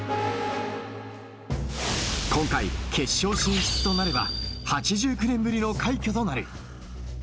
今回、決勝進出となれば８９年ぶりの快挙となる。